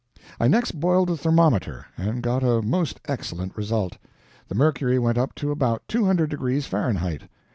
I next boiled the thermometer, and got a most excellent result; the mercury went up to about 200 degrees Fahrenheit.